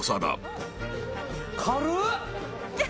軽っ！